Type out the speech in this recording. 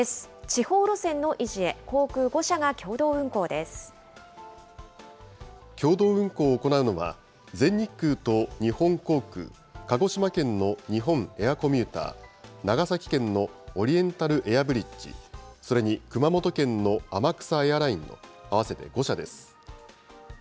地方路線の維持へ航空５社が共同共同運航を行うのは、全日空と日本航空、鹿児島県の日本エアコミューター、長崎県のオリエンタルエアブリッジ、それに熊本県の天草エアラインの合わせて５社です。